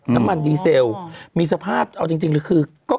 น้ำมันดีเซลมีสภาพเอาจริงเลยคือก็